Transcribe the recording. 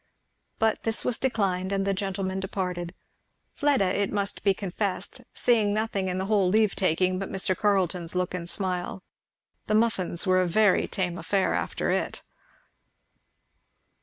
But this was declined, and the gentlemen departed; Fleda, it must be confessed, seeing nothing in the whole leave taking but Mr. Carleton's look and smile. The muffins were a very tame affair after it.